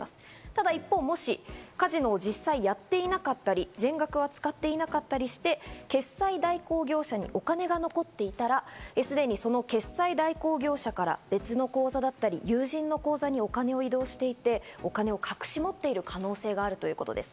ただ一方、もしカジノを実際やっていなかったり、全額は使っていなかったりして決済代行業者にお金が残っていたら、すでにその決済代行業者から別の口座だったり友人の口座にお金を移動していて、お金を隠し持っている可能性があるということです。